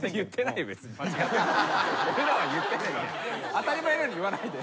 当たり前のように言わないで。